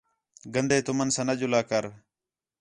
گندے تُمن ساں نہ جلا کر